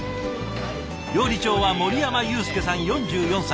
料理長は森山裕介さん４４歳。